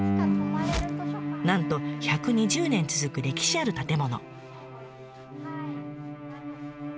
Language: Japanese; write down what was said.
なんと１２０年続く歴史ある建物。